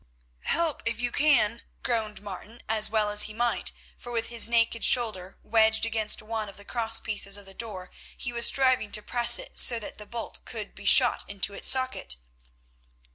"Help if you can," groaned Martin, as well he might, for with his naked shoulder wedged against one of the cross pieces of the door he was striving to press it to so that the bolt could be shot into its socket.